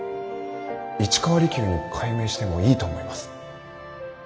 市川利休に改名してもいいと思います。